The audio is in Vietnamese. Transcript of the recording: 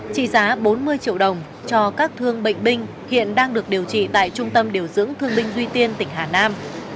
trị giá bốn mươi triệu đồng cho các thương bệnh binh hiện đang được điều trị tại trung tâm điều dưỡng thương binh duy tiên tỉnh hà nam